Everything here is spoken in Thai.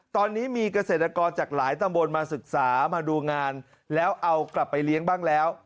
ตอนนี้มีเกษตรกรจากหลายตำบลมาศึกษามาดูงานแล้วเอากลับไปเลี้ยงบ้างแล้ว